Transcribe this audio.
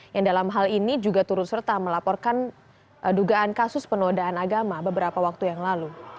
yang dalam hal ini juga turut serta melaporkan dugaan kasus penodaan agama beberapa waktu yang lalu